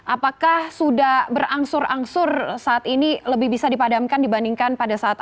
apakah sudah berangsur angsur saat ini lebih bisa dipadamkan dibandingkan pada saat